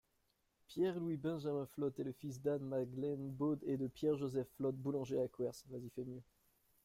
Pierre-Louis-Benjamin Flotte est le fils d'Anne-Magdelaine Baude et de Pierre-Joseph Flotte, boulanger à Cuers.